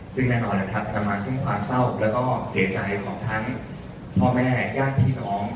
ซึ่งแน่นอนนะครับอาจจะมาซึ่งความเศร้าแล้วก็เสียใจของทั้งพ่อแม่ญาติพี่น้อง